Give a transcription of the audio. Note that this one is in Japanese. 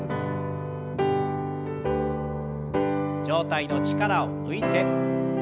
上体の力を抜いて。